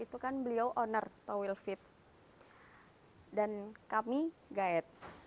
itukan beliau ownor towel fits dan kami guide